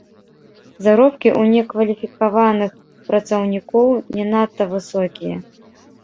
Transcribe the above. Заробкі ў некваліфікаваных працаўнікоў не надта высокія.